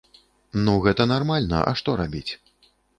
Ну гэта нармальна, а што рабіць?